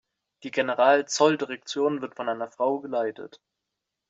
Die Generalzolldirektion wird von einer Frau geleitet.